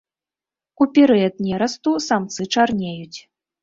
У перыяд нерасту самцы чарнеюць.